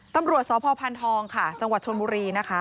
ตำรวจสพทองจังหวัดชนบุรี